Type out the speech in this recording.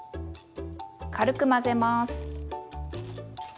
軽く混ぜます。